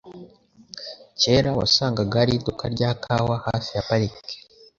Kera wasangaga hari iduka rya kawa hafi ya parike.